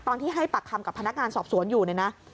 ตอนที่ให้ปากคำกับพนักงานสอบสวนอยู่เนี่ยนะ